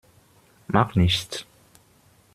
Macht nichts.